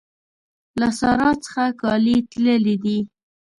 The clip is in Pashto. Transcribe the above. له سارا څخه کالي تللي دي.